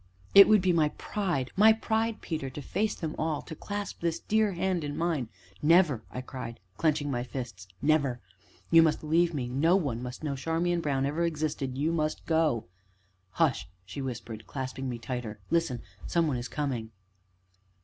it would be my pride my pride, Peter, to face them all to clasp this dear hand in mine " "Never!" I cried, clenching my fists; "never! You must leave me; no one must know Charmian Brown ever existed you must go!" "Hush!" she whispered, clasping me tighter, "listen some one is coming!"